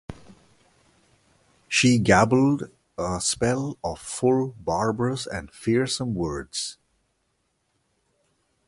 She gabbled a spell full of barbarous and fearsome words.